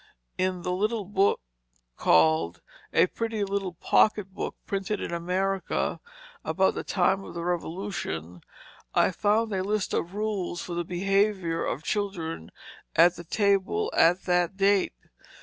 In a little book called A Pretty Little Pocket Book, printed in America about the time of the Revolution, I found a list of rules for the behavior of children at the table at that date.